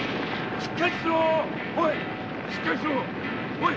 おい！